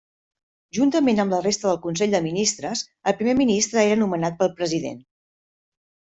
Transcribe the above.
Juntament amb la resta del Consell de Ministres, el primer ministre era nomenat pel President.